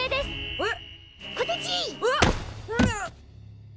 えっ？